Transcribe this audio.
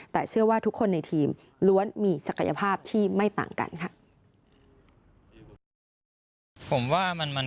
แต่เชื่อว่าทุกคนในทีมล้วนมีศักยภาพที่ไม่ต่างกันค่ะ